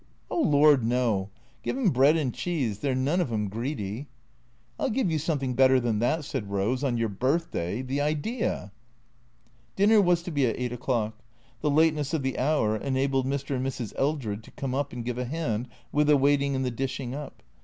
" Oh Lord, no. Give 'em bread and cheese. They 're none of 'em greedy." " I '11 give you something better than that," said Rose ;" on your birthday — the idea !" Dinner was to be at eight o'clock. The lateness of the hour enabled Mr. and Mrs. Eldred to come up and give a hand with the waiting and the dishing up.